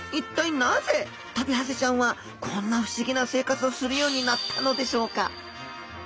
なぜトビハゼちゃんはこんな不思議な生活をするようになったのでしょうか？